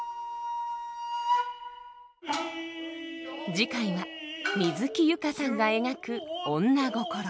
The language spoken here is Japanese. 次回は水木佑歌さんが描く女心。